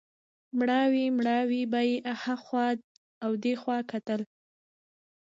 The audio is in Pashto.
مړاوی مړاوی به یې هخوا او دېخوا کتل.